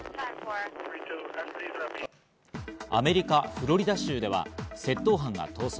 アメリカ・フロリダ州では窃盗犯が逃走。